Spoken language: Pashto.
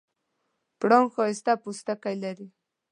پړانګ ښایسته پوستکی لري.